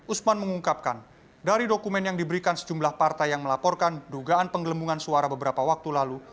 usman mengungkapkan dari dokumen yang diberikan sejumlah partai yang melaporkan dugaan penggelembungan suara beberapa waktu lalu